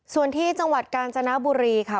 ส่วนที่จังหวัดกาญจนบุรีค่ะ